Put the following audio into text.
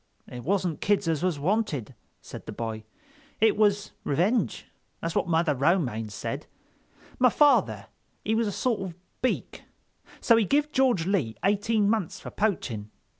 "It wasn't kids as was wanted," said the boy, "it was revenge. That's what Mother Romaine said—my father he was a sort of Beak, so he give George Lee eighteen months for poaching.